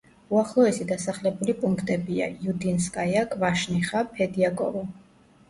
უახლოესი დასახლებული პუნქტებია: იუდინსკაია, კვაშნიხა, ფედიაკოვო.